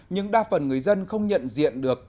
nhưng đa phần người dân không nhận diện được